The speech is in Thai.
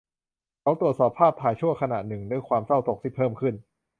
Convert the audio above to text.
เขาตรวจสอบภาพถ่ายชั่วขณะหนึ่งด้วยความเศร้าโศกที่เพิ่มขึ้น